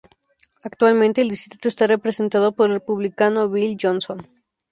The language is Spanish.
Actualmente el distrito está representado por el Republicano Bill Johnson.